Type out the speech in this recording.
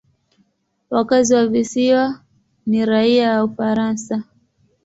Wakazi wa visiwa ni raia wa Ufaransa.